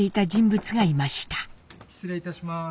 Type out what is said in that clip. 失礼いたします。